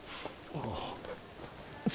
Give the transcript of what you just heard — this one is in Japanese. ああ。